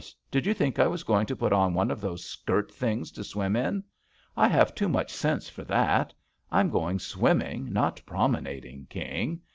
Did you think I was going to put on one of those skirt things to swim in? I have too much sense for that. I'm going swimming, not promenading, King.